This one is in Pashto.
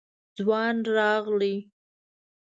ځوان راغی.